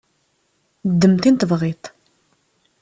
Ddem tin tebɣiḍ.